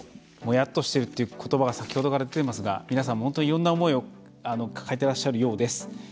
やっとしてるということばが先ほどから出ていますが皆さんも本当にいろんな思いを抱えていらっしゃるようです。